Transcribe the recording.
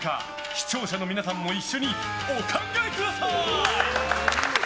視聴者の皆さんも一緒にお考えください！